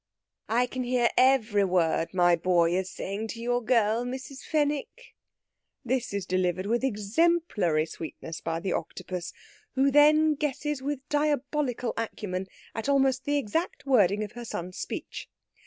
"I can hear every word my boy is saying to your girl, Mrs. Fenwick." This is delivered with exemplary sweetness by the Octopus, who then guesses with diabolical acumen at almost the exact wording of her son's speech.